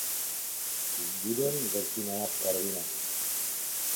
S judem začínala v Karviné.